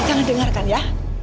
jangan dengarkan ya